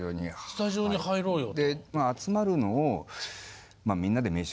スタジオに入ろうよと。